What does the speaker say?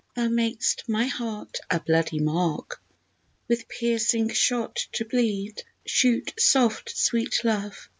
Thou mak'st my heart A bloody mark, With piercing shot to bleed. Shoot soft, sweet Love!